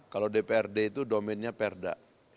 kalau dprd itu domennya perda